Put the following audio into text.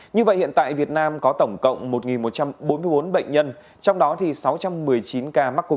như vậy hiện tại việt nam có tổng cộng một một trăm bốn mươi bốn bệnh nhân trong đó sáu trăm một mươi chín ca mắc